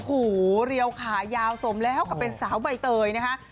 โอ้โหเรียวขายาวสมแล้วกับเป็นสาวใบเตยนะคะ